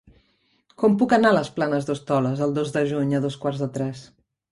Com puc anar a les Planes d'Hostoles el dos de juny a dos quarts de tres?